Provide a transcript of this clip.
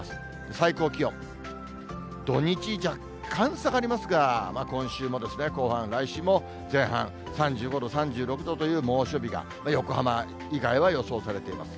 最高気温、土日、若干下がりますが、今週もですね、後半、来週も前半、３５度、３６度という猛暑日が、横浜以外は予想されています。